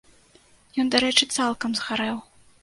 Ён, дарэчы, цалкам згарэў.